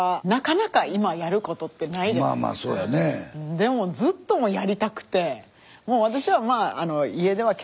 でもずっともうやりたくて。